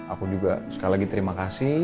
aku juga sekali lagi terima kasih